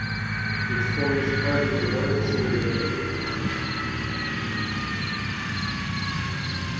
It forms part of the Warwickshire ring.